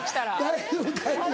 大丈夫大丈夫。